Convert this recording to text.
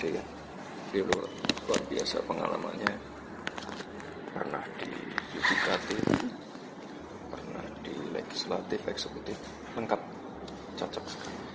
dia luar biasa pengalamannya pernah di judikatif pernah di legislatif eksekutif lengkap cocok